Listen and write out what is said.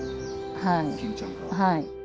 はい。